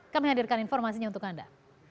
kami hadirkan informasinya untuk anda